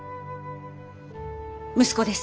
息子です。